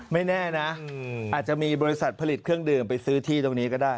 ไม่แน่นะอาจจะมีบริษัทผลิตเครื่องดื่มไปซื้อที่ตรงนี้ก็ได้